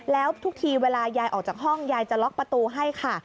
แล้วทุกทีเวลายายออกจากห้องยายจะล็อกประตูให้ค่ะ